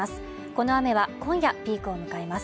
この雨は今夜ピークを迎えます。